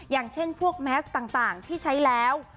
อย่างเช่นพวกแมสต่างที่ใช้แล้ว